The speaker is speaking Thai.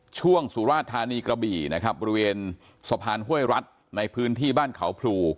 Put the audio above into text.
สุราธานีกระบี่นะครับบริเวณสะพานห้วยรัฐในพื้นที่บ้านเขาพลู